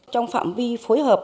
trong phạm vi phối hợp